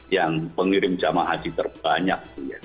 yang pengirim jamaah haji terbanyak